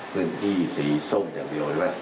เครื่องที่สีส้มอย่างเดียวว่า